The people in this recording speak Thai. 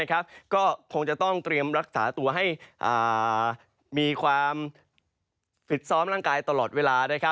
ก็คงจะต้องเตรียมรักษาตัวให้มีความฟิตซ้อมร่างกายตลอดเวลา